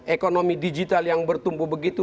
ekonomi digital yang bertumbuh begitu